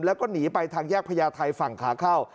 แล้วก็หนีไปทางแยกพญาไทยฝั่งขาเข้า